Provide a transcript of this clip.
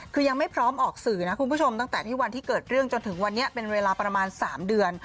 คือยังไม่พร้อมออกสื่อนะคุณผู้ชมตั้งแต่ที่วันที่เกิดเรื่องจนถึงวันนี้เป็นเวลาประมาณ๓เดือน